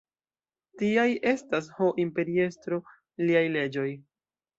Tiaj estas, ho imperiestro, liaj leĝoj.